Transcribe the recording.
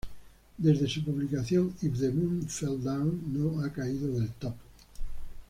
Desde su publicación, "If The Moon Fell Down" no ha caído del top.